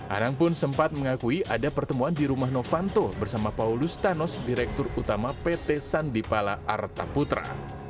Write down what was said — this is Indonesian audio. anang pun sempat mengakui ada pertemuan di rumah novanto bersama paulus thanos direktur utama pt sandipala arta putra